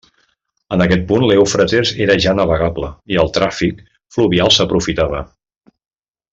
En aquest punt l'Eufrates era ja navegable i el tràfic fluvial s'aprofitava.